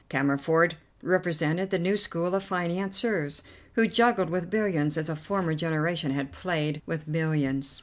Cammerford represented the new school of financiers, who juggled with billions as a former generation had played with millions.